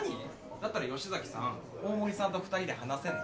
だったら吉崎さん大森さんと二人で話せんの？